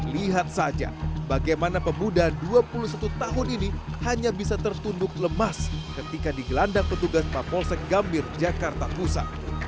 lihat saja bagaimana pemuda dua puluh satu tahun ini hanya bisa tertunduk lemas ketika digelandang petugas mapolsek gambir jakarta pusat